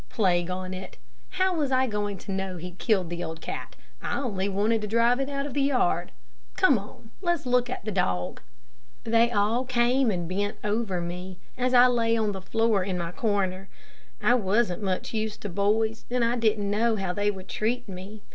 Plague on it, how was I going to know he'd kill the old cat? I only wanted to drive it out of the yard. Come on, let's look at the dog." They all came and bent over me, as I lay on the floor in my corner. I wasn't much used to boys, and I didn't know how they would treat me.